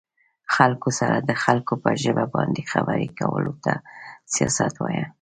خلکو سره د خلکو په ژبه باندې خبرې کولو ته سياست وايه